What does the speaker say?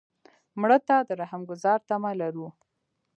مړه ته د رحم ګذار تمه لرو